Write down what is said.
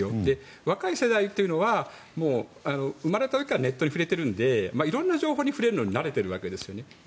若い世代というのは生まれた時からネットに触れているのでいろんな情報に触れるのに慣れてるわけですね。